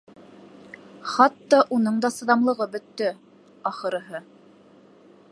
Хатта уның да сыҙамлығы бөттө, ахырыһы.